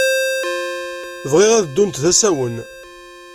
Bɣiɣ ad ddunt d asawen.